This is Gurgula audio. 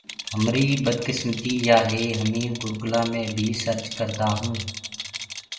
همريٚ بدڪسمتيٚ يآ هي هميٚنٚ گُوگلو مي بيٚ سرچ ڪردآئوٚنٚ۔